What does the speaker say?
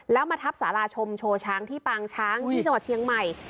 แล้วมาทับสาราชมโชว์ช้างที่ปางช้างที่จังหวัดเชียงใหม่